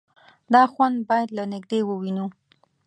_دا خوند بايد له نږدې ووينو.